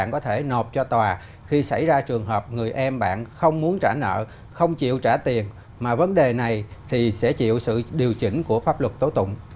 bạn có thể nộp cho tòa khi xảy ra trường hợp người em bạn không muốn trả nợ không chịu trả tiền mà vấn đề này thì sẽ chịu sự điều chỉnh của pháp luật tố tụng